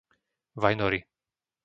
Vajnory